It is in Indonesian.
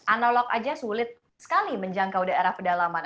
analog aja sulit sekali menjangkau daerah pedalaman